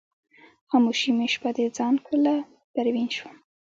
خاموشي مې شپه د ځان کړله پروین شوم